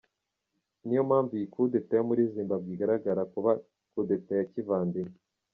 Niyo mpamvu iyi kudeta yo muri Zimbabwe igaragara kuba kudeta ya kivandimwe.